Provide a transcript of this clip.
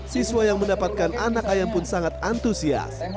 siswa yang mendapatkan anak ayam pun sangat antusias